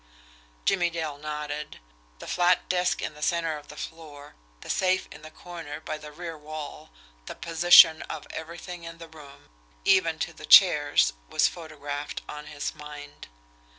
Jimmie Dale nodded the flat desk in the centre of the floor, the safe in the corner by the rear wall, the position of everything in the room, even to the chairs, was photographed on his mind.